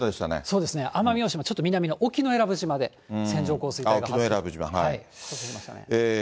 そうですね、奄美大島、ちょっと南の沖永良部島で線状降水帯が発生しましたね。